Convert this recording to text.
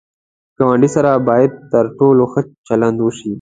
ګاونډي سره باید تر ټولو ښه چلند وشي